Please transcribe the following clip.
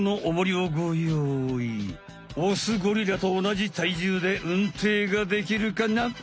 オスゴリラとおなじ体重でうんていができるかな？